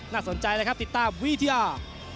สนใจเลยครับติดตามวิทยา